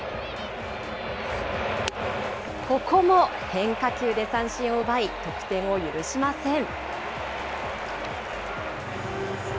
ここも変化球で三振を奪い、得点を許しません。